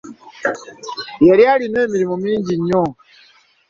Yali alina emirimo mingi nnyo.